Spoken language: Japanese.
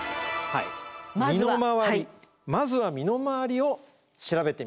身の回りまずは身の回りを調べてみましょうと。